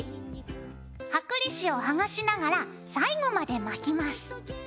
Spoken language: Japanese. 剥離紙をはがしながら最後まで巻きます。